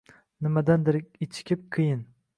Nimadandir ichikib, qiyin